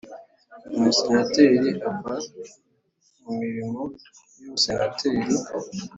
Umusenateri ava mu mirimo y’ubusenateri